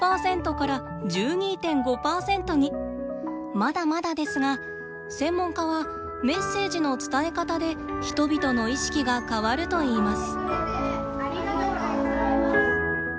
まだまだですが専門家はメッセージの伝え方で人々の意識が変わるといいます。